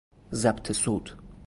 ضبط صوت